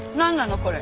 これ。